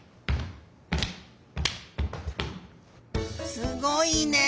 すごいね！